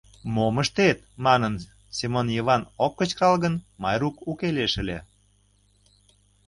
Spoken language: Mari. — Мом ыштет?! — манын, Семон Йыван ок кычкырал гын, Майрук уке лиеш ыле.